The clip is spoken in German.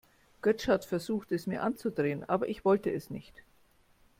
Götsch hat versucht, es mir anzudrehen, aber ich wollte es nicht.